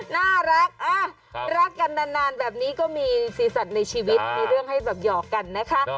น่ารักรักกันนานแบบนี้ก็มีสีสันในชีวิตมีเรื่องให้แบบหยอกกันนะคะ